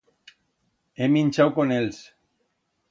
He minchau con ells.